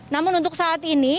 namun untuk saat ini